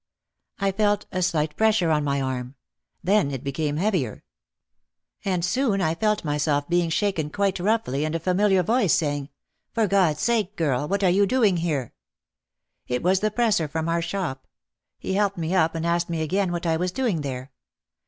I felt a slight pressure on my arm, then it became heavier. And soon I felt myself being shaken quite roughly and a familiar voice saying, "For God's sake, girl, what are you doing here?" It was the presser from our shop. He helped me up and asked me again what I was doing there.